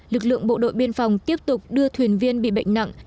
lực lượng bộ đội biên phòng tiếp tục đưa thuyền viên bị bệnh nặng